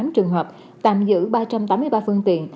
hai mươi tám trường hợp tạm giữ ba trăm tám mươi ba phương tiện